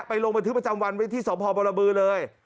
ไปลงบันทึกประจำวันไปที่สมภาพบรรณบือเลย